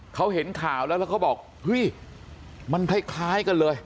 เขาเห็นข่าวแล้วแล้วเขาบอกเฮ้ยมันคล้ายกันเลย